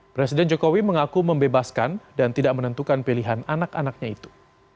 presiden jokowi mengaku membebaskan dan tidak menentukan pilihan anak anaknya itu